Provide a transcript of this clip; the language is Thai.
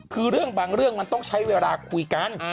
คือเรื่องบางเรื่องมันต้องใช้เวลาคุยกัน